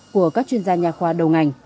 của các chuyên gia nhà khoa đầu ngành